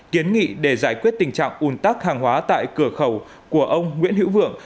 kiến nghị để giải quyết tình trạng ùn tắc hàng hóa tại cửa khẩu của ông nguyễn hữu vượng